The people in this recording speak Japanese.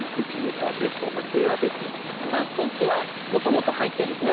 これ空気はもともと入ってる。